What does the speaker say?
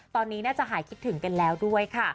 ตอนนี้น่าจะหายคิดถึงกันแล้วด้วยค่ะ